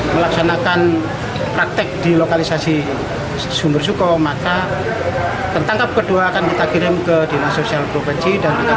melaksanakan praktek di lokalisasi sumberjoko maka tentangkap kedua akan kita kirim ke dinas sosial provenci